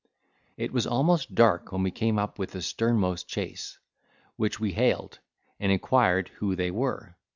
It was almost dark when we came up with the sternmost chase, which we hailed, and inquired who they were.